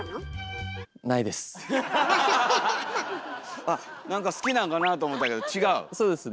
なんか好きなんかなと思ったけど違う？